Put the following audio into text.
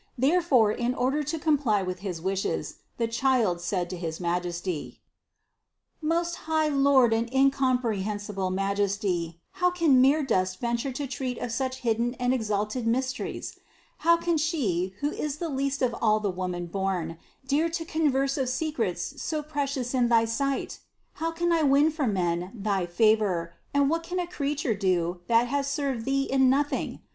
Therefore, in order to comply with his wishes, the Child said to his Majesty: 394. "Most high Lord and incomprehensible Ma jesty, how can mere dust venture to treat of such hidden and exalted mysteries? How can she, who is the least of all the womanborn, dare to converse of secrets so precious in thy sight? How can I win for men thy favor, and what can a creature do, that has served Thee in nothing?